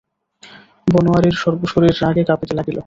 বনোয়ারির সর্বশরীর রাগে কাঁপিতে লাগিল।